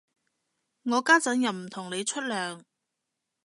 我家陣又唔同你出糧